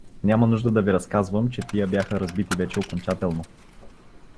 Няма нужда да ви разказвам, че тия бяха разбити вече окончателно.